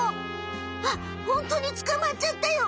あっホントにつかまっちゃったよ。